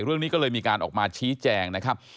เรื่องนี้ก็เลยมีการออกมาชี้แจงนะครับ